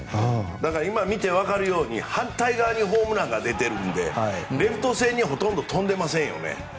だから今、見て分かるように反対側にホームランが出てるのでレフト線にほとんど飛んでいませんよね。